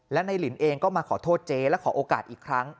และในลินเองก็มาขอโทษเจ๊และขอโอกาสอีกครั้ง